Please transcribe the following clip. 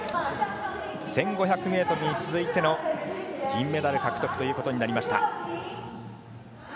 １５００ｍに続いての銀メダル獲得となりました。